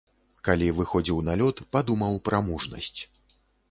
Калі выходзіў на лёд, падумаў пра мужнасць.